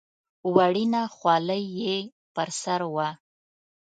وړینه خولۍ یې پر سر وه.